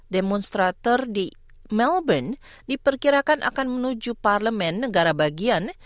demonstrator di melbourne diperkirakan akan menuju parlemen negara bagian